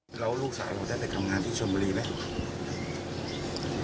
แล้วลูกสาวของเธอได้ทำงานที่ชนบุรีไหม